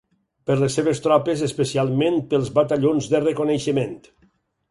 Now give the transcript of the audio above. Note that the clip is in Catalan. Per les seves tropes, especialment pels batallons de reconeixement.